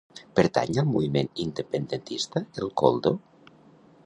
Pertany al moviment independentista el Koldo?